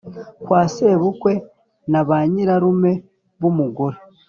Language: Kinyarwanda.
kwa sebukwe na ba nyirarume b' umugore,